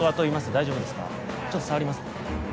大丈夫ですかちょっと触りますね